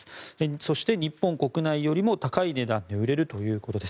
そして日本国内よりも高い値段で売れるということです。